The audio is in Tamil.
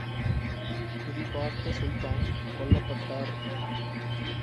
குறிபார்த்த சுல்தான் கொல்லப்பட்டார்!